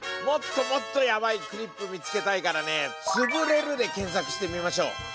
もっともっとヤバイクリップ見つけたいからね「つぶれる」で検索してみましょう！